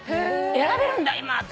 選べるんだ今って。